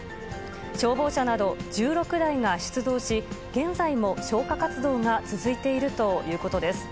消防車など１６台が出動し、現在も消火活動が続いているということです。